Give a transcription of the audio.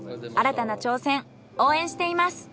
新たな挑戦応援しています！